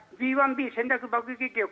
Ｂ１Ｂ戦略爆撃機を